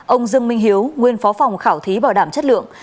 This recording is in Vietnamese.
ông dương minh hiếu nguyên phó phòng khảo thí bảo đảm chất lượng